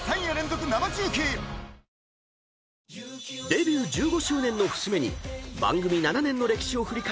［デビュー１５周年の節目に］